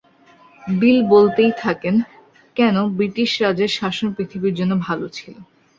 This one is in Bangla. বিল বলতেই থাকেন, কেন ব্রিটিশ রাজের শাসন পৃথিবীর জন্য ভালো ছিল।